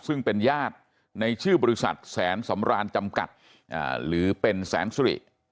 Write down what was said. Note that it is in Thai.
ซึ่งเป็นญาติในชื่อบริษัทแสนสำรานจำกัดหรือเป็นแสนสุริ